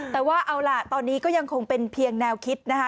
แต่ว่าเอาล่ะตอนนี้ก็ยังคงเป็นเพียงแนวคิดนะคะ